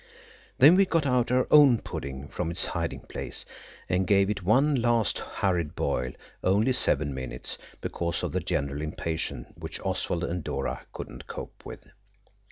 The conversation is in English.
Then we got out our own pudding from its hiding place and gave it one last hurried boil–only seven minutes, because of the general impatience which Oswald and Dora could not cope with.